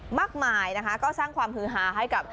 มากมายนะคะก็สร้างความฮือฮาให้กับ